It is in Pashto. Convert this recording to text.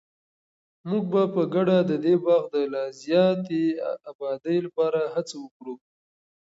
موږ به په ګډه د دې باغ د لا زیاتې ابادۍ لپاره هڅه وکړو.